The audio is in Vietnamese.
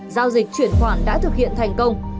giao dịch chuyển khoản đã thực hiện thành công